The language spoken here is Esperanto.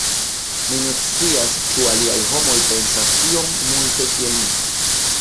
Mi ne scias ĉu aliaj homoj pensas tiom multe kiel mi.